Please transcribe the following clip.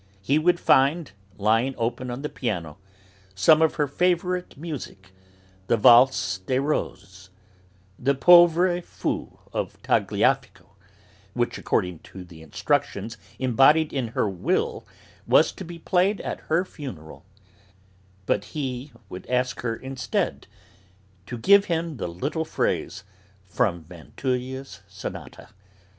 He would find, lying open on the piano, some of her favourite music, the Valse des Roses, the Pauvre Fou of Tagliafico (which, according to the instructions embodied in her will, was to be played at her funeral); but he would ask her, instead, to give him the little phrase from Vinteuil's sonata.